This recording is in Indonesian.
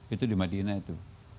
itu di madinah itu